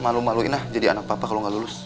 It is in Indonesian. malu maluin ah jadi anak papa kalau gak lulus